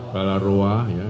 daerah roa ya